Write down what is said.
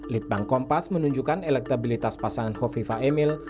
litbang kompas menunjukkan elektabilitas pasangan kofifa emil